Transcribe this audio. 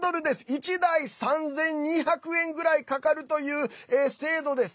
１台３２００円ぐらいかかるという制度です。